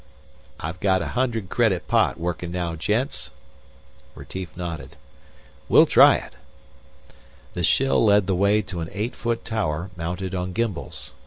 "I got a hundred credit pot workin' now, gents." Retief nodded. "We'll try it." The shill led the way to an eight foot tower mounted on gimbals.